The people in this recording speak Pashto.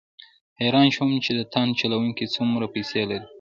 حیران شوم چې د تاند چلوونکي څومره پیسې لري.